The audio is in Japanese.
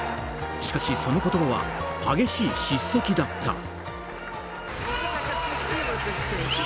しかし、その言葉は激しい叱責だった。